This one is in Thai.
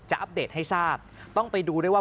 อัปเดตให้ทราบต้องไปดูด้วยว่า